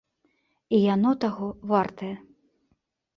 І яно таго вартае.